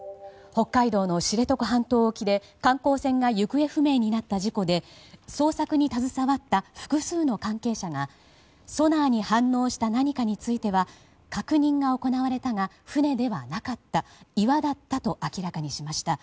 北海道の知床半島沖で観光船が行方不明になった事故で捜索に携わった複数の関係者がソナーに反応した何かについては確認が行われたが船ではなかった岩だったと明らかにしました。